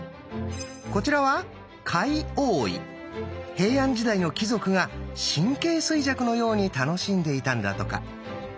平安時代の貴族が「神経衰弱」のように楽しんでいたんだとか。